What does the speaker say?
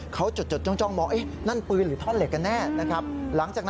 เขาจดจดจองมองนั่นปืนหรือท่อนเหล็กแน่นะครับ